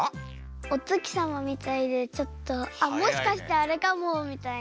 おつきさまみたいでちょっと「あっもしかしてあれかも！」みたいな。